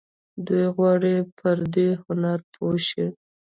دوی غواړي پر دې هنر پوه شي.